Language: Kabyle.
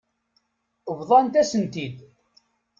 Bḍant-as-tent-id.